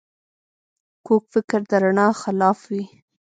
کوږ فکر د رڼا خلاف وي